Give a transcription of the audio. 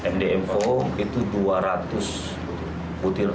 mdm empat itu dua ratus butir